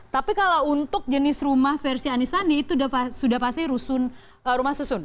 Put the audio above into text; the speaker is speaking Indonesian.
tapi kalau untuk jenis rumah versi anisandi itu sudah pasti rumah susun